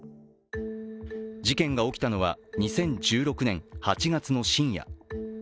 事件が起きたのは２０１６年の８月の深夜。